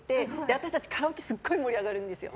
私たちカラオケですごい盛り上がるんですよ。